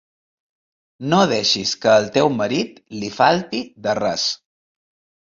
No deixis que al teu marit li falti de res.